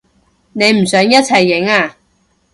你唔想一齊影啊？